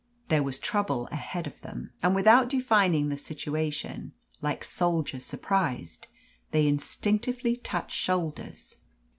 There was trouble ahead of them; and without defining the situation, like soldiers surprised, they instinctively touched shoulders.